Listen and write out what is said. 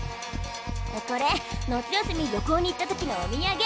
これ夏休み旅行に行った時のおみやげ。